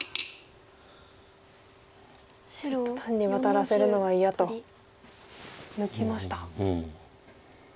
ちょっと単にワタらせるのは嫌と抜きました。